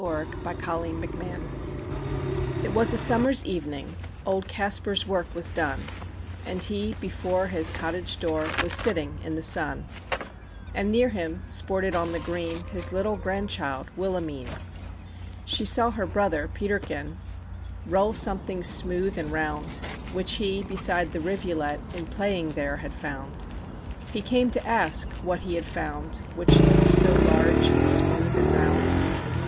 THE BATTLE OF BLENHEIM It was a summer's evening; Old Kaspar's work was done; And he before his cottage door, Was sitting in the sun; And near him sported on the green, His little grandchild, Wilhelmine: She saw her brother, Peterkin, Roll something smooth and round, Which he, beside the rivulet, In playing there had found. He came to ask what he had found, Which looked so large, and smooth, and round.